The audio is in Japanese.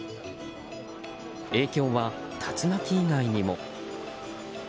影響は竜巻以外にも。